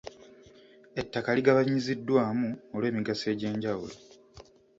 Ettaka ligabanyiziddwamu olw'emigaso egy'enjawulo.